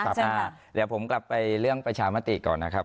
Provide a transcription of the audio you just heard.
เดี๋ยวผมกลับไปเรื่องประชามติก่อนนะครับ